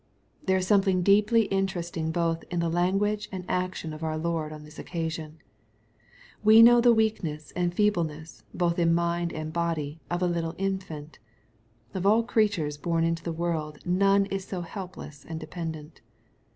There is something deeply interesting both in the lan guage and action of our Lord on this occasion. We know the weakness and feebleness, both in mind and body, of a little infant. Of all creatures born into the world none is so helpless and dependent.